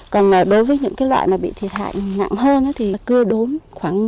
còn đối với những cái loại mà bị thiệt hại nặng hơn thì cưa đốm